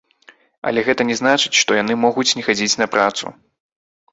Але гэта не значыць, што яны могуць не хадзіць на працу.